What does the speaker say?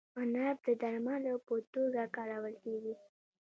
عناب د درملو په توګه کارول کیږي.